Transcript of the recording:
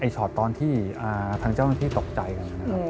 ชอตตอนที่ทางเจ้าหน้าที่ตกใจกัน